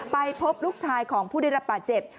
ไปพบลูกชายของผู้ได้รับบาดเจ็บ